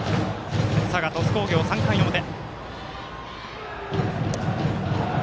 佐賀、鳥栖工業、３回の表。